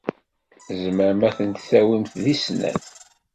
Tzemrem ad tent-tawimt deg snat.